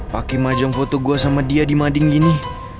pake majang foto gue sama dia di mading gini